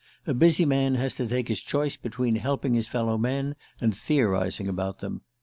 A busy man has to take his choice between helping his fellow men and theorizing about them.